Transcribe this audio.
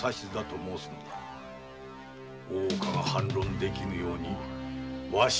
大岡が反論できぬようにわし